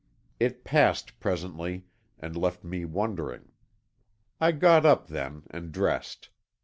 It passed presently, and left me wondering. I got up then and dressed.